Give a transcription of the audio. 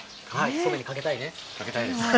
そうめんにかけたいね。